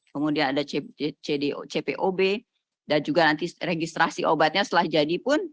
kemudian ada cpob dan juga nanti registrasi obatnya setelah jadi pun